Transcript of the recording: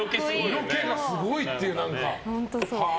色気がすごいっていう。